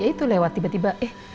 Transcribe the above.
itu lewat tiba tiba